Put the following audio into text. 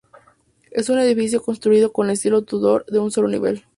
Es un edificio construido con estilo Tudor de un solo nivel.